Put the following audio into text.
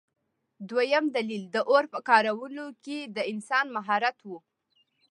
دویم دلیل د اور په کارولو کې د انسان مهارت و.